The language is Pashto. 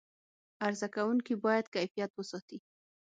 عرضه کوونکي باید کیفیت وساتي.